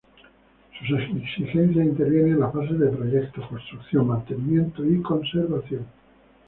Sus exigencias intervienen en las fases de proyecto, construcción, mantenimiento y conservación.